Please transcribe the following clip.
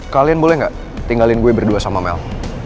kalian boleh gak tinggalin gue berdua sama mel